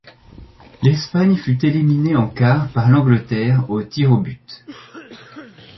L'Espagne fut éliminée en quarts par l'Angleterre aux tirs aux buts.